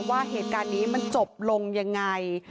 ว่าเหตุการณ์นี้มันจบลงยังไง